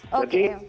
dalam hal ini